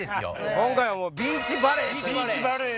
今回はビーチバレー。